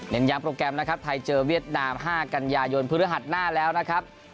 ย้ำโปรแกรมนะครับไทยเจอเวียดนาม๕กันยายนพฤหัสหน้าแล้วนะครับ